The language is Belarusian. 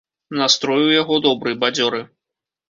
Настрой у яго добры, бадзёры.